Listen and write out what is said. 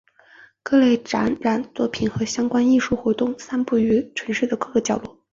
各类展览作品和相关的艺术活动散布于城市的各个角落。